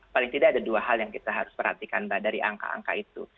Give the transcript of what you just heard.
paling tidak ada dua hal yang kita harus perhatikan mbak dari angka angka itu